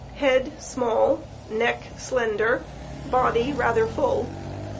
Head small; neck, slender; body, rather full.